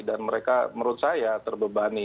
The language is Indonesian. dan mereka menurut saya terbebani